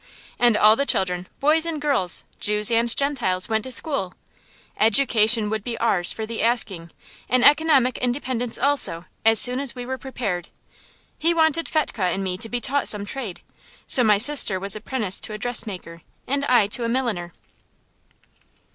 And all the children, boys and girls, Jews and Gentiles, went to school! Education would be ours for the asking, and economic independence also, as soon as we were prepared. He wanted Fetchke and me to be taught some trade; so my sister was apprenticed to a dressmaker and I to a milliner.